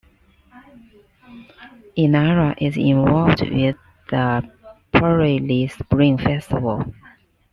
Inara is involved with the Puruli spring festival.